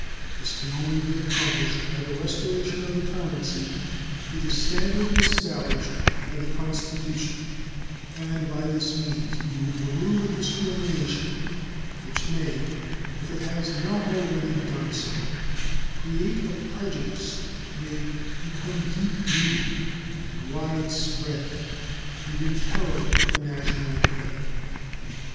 This can only be accomplished by the restoration of the currency to the standard established by the Constitution; and by this means we would remove a discrimination which may, if it has not already done so, create a prejudice that may become deep rooted and widespread and imperil the national credit.